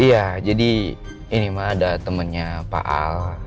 iya jadi ini ma ada temennya pak al